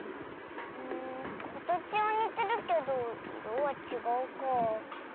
かたちはにてるけどいろはちがうかあ。